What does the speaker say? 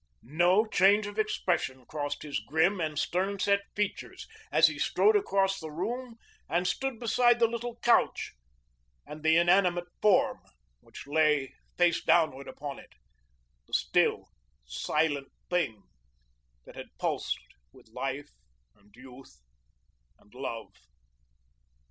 No change of expression crossed his grim and stern set features as he strode across the room and stood beside the little couch and the inanimate form which lay face downward upon it; the still, silent thing that had pulsed with life and youth and love.